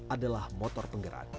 adalah motor penggerak